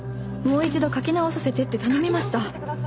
もう一度書き直させてって頼みました。